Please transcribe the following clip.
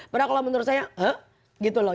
padahal kalau menurut saya gitu loh